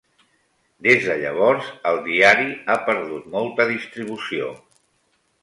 Des de llavors, el diari ha perdut molta distribució.